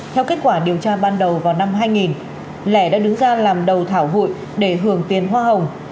theo kết quả điều tra ban đầu vào năm hai nghìn lẻ đã đứng ra làm đầu thảo hụi để hưởng tiền hoa hồng